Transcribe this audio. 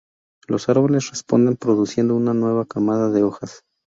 Los árboles responden produciendo una nueva camada de hojas.